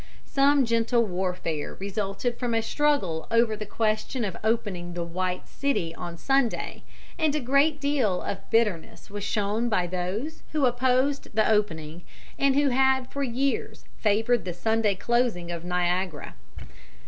Some gentle warfare resulted from a struggle over the question of opening the "White City" on Sunday, and a great deal of bitterness was shown by those who opposed the opening and who had for years favored the Sunday closing of Niagara.